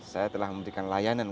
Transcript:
saya telah memberikan layanan